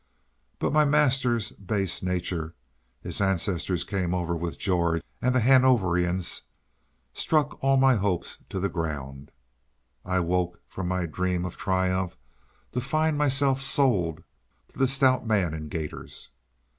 But my master's base nature his ancestors came over with George and the Hanoverians struck all my hopes to the ground. I woke from my dream of triumph to find myself sold to the stout man in gaiters.